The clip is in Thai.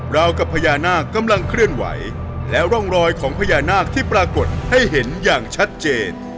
กับพญานาคกำลังเคลื่อนไหวและร่องรอยของพญานาคที่ปรากฏให้เห็นอย่างชัดเจน